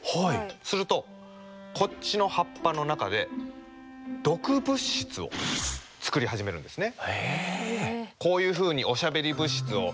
するとこっちの葉っぱの中で毒物質を作り始めるんですね。